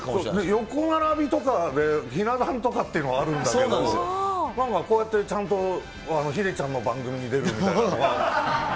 横並びとか、ひな壇とかっていうのはあるんだけど、まあまあこうやってちゃんと、ヒデちゃんの番組に出るみたいなのは。